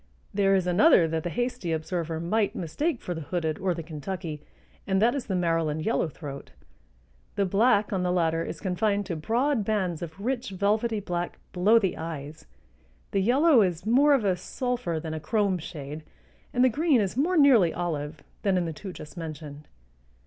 There is another that the hasty observer might mistake for the hooded or the Kentucky, and that is the Maryland yellowthroat. The black on the latter is confined to broad bands of rich velvety black below the eyes; the yellow is more of a sulphur than a chrome shade, and the green is more nearly olive than in the two just mentioned.